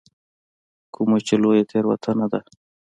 کومه چې لویه تېروتنه ده.